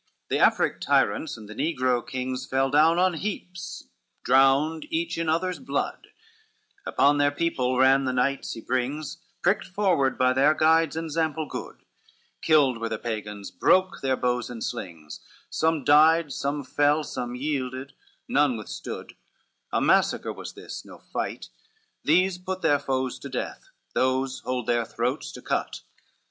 LVI The Afric tyrants and the negro kings Fell down on heaps, drowned each in other's blood, Upon their people ran the knights he brings, Pricked forward by their guide's example good, Killed were the Pagans, broke their bows and slings: Some died, some fell; some yielded, none withstood: A massacre was this, no fight; these put Their foes to death, those hold their throats to cut.